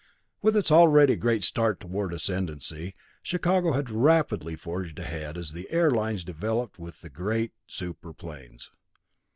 With its already great start toward ascendancy, Chicago had rapidly forged ahead, as the air lines developed with the great super planes.